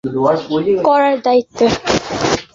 বললেন, রূহ কবয করার দায়িত্বে।